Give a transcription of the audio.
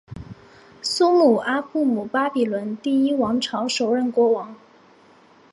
苏姆阿布姆巴比伦第一王朝首任国王。